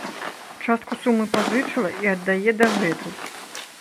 Частку сумы пазычыла і аддае дагэтуль.